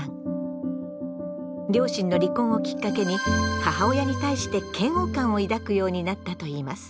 両親の離婚をきっかけに母親に対して嫌悪感を抱くようになったといいます。